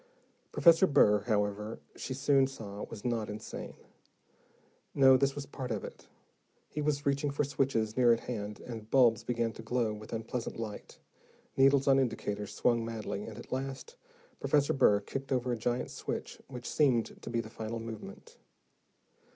Professor Burr, however, she soon saw, was not insane. No, this was part of it. He was reaching for switches near at hand, and bulbs began to glow with unpleasant light, needles on indicators swung madly, and at last, Professor Burr kicked over a giant switch, which seemed to be the final movement.